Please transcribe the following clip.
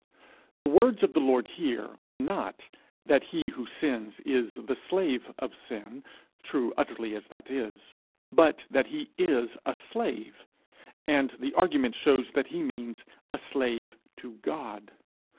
The words of the Lord here are not that he who sins is the slave of sin, true utterly as that is; but that he is a slave, and the argument shows that he means a slave to God.